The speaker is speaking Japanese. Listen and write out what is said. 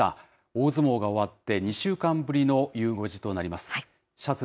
大相撲が終わって２週間ぶりのゆう５時となります。